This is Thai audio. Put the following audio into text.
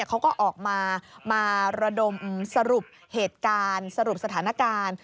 เขาก็ออกมามาระดมสรุปเหตุการณ์สรุปสถานการณ์